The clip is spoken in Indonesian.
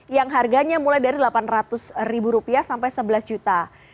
yang harganya mulai dari delapan ratus ribu rupiah sampai sebelas juta